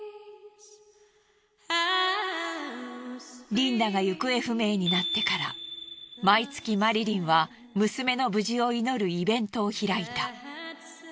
リンダが行方不明になってから毎月マリリンは娘の無事を祈るイベントを開いた。